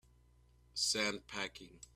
Send packing